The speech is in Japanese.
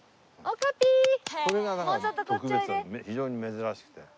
非常に珍しくて。